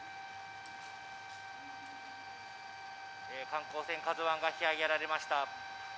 観光船「ＫＡＺＵⅠ」が引き揚げられました。